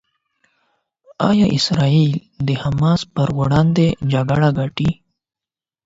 ایا اسرائیل د حماس پر وړاندې جګړه ګټي؟